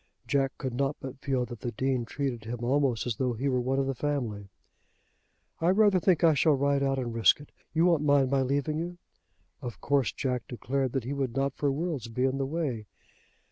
Jack could not but feel that the Dean treated him almost as though he were one of the family. "I rather think I shall ride out and risk it. You won't mind my leaving you?" Of course Jack declared that he would not for worlds be in the way.